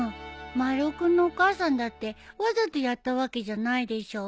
丸尾君のお母さんだってわざとやったわけじゃないでしょう？